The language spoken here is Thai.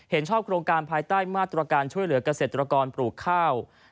เห็นชอบโครงการภายใต้มาตรการช่วยเหลือกเกษตรกรปลูกข้าว